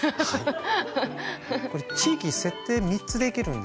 これ地域設定３つできるんですよね。